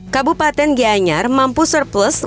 kabupaten gianyar mampu menjaga kesehatan